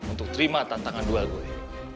untuk terima tantangan duel gue